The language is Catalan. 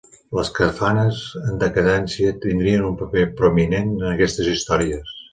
Les kafanes en decadència tindrien un paper prominent en aquestes històries.